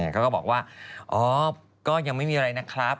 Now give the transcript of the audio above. ก็บอกว่าอ๋อก็ยังไม่มีอะไรนะครับ